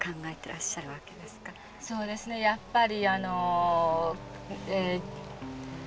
そうですねやっぱり。